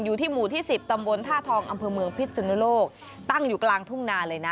อยู่ที่หมู่ที่สิบตำบลท่าทองอำเภอเมืองพิษสุนโลกตั้งอยู่กลางทุ่งนาเลยนะ